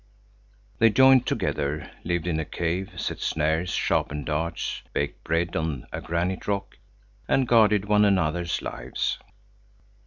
They joined together, lived in a cave, set snares, sharpened darts, baked bread on a granite rock and guarded one another's lives.